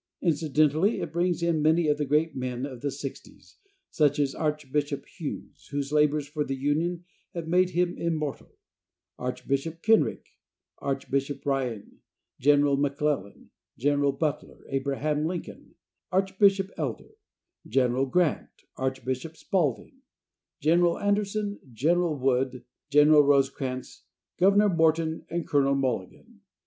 Incidentally it brings in many of the great men of the sixties, such as Archbishop Hughes, whose labors for the Union have made him immortal; Archbishop Kenrich, Archbishop Ryan, General McClellan, General Butler, Abraham Lincoln, Archbishop Elder, General Grant, Archbishop Spaulding, General Anderson, General Wood, General Rosecrans, Governor Morton and Col. Mulligan.